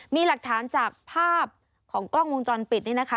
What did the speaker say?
มีหลักฐานจากภาพของกล้องวงจรปิดนี่นะคะ